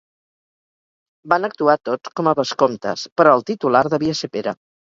Van actuar tots com a vescomtes, però el titular devia ser Pere.